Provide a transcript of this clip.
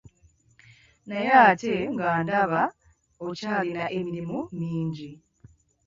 Naye ate nga ndaba okyalina emirimu mingi.